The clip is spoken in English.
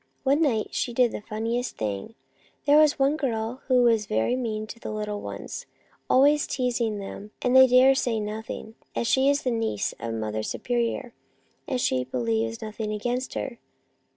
One night she did the funniest thing. There is one girl who is very mean to the little ones, always teasing them, and they dare say nothing, as she is the niece of the Mother Superior, and she believes nothing against her.